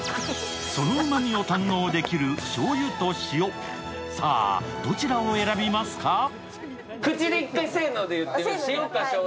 そのうまみを堪能できる、しょうゆと塩、さあ、どちらを選びますか？